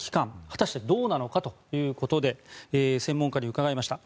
果たしてどうなのかということで専門家に伺いました。